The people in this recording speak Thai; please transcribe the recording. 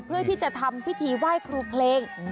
เพื่อที่จะทำพิธีไหว้ครูเพลง